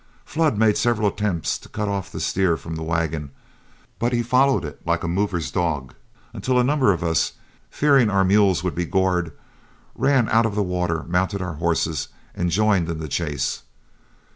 Flood made several attempts to cut off the steer from the wagon, but he followed it like a mover's dog, until a number of us, fearing our mules would be gored, ran out of the water, mounted our horses, and joined in the chase.